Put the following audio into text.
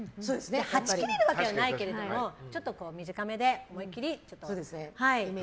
はち切れるわけはないけれども短めで思いっきり。